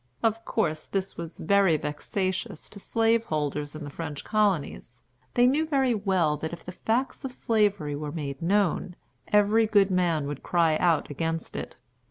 Of course, this was very vexatious to slaveholders in the French colonies. They knew very well that if the facts of Slavery were made known, every good man would cry out against it.